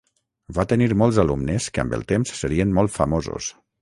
Va tenir molts alumnes que amb el temps serien molt famosos.